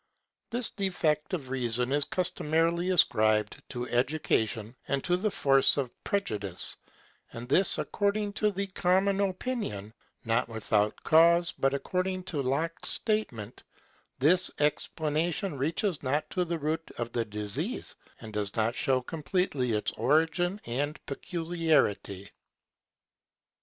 This defect of reason is customarily ascribed to education and to the force of prejudice, and this, according to the common opinion, not without cause, but according to Locke's statement, this explanation reaches not to the root of the disease, and does not show completely its origin and peculiarity.